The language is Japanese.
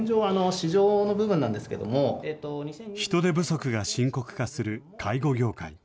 人手不足が深刻化する介護業界。